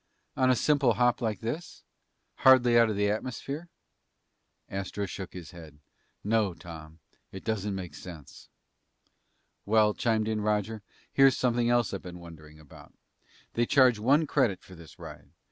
"On a simple hop like this? Hardly out of the atmosphere?" Astro shook his head. "No, Tom. It doesn't make sense." "Well," chimed in Roger, "here's something else I've been wondering about. They charge one credit for this ride.